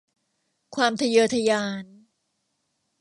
ความทะเยอทะยาน